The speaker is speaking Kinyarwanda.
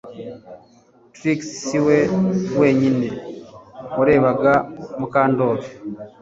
Trix si we wenyine warebaga Mukandoli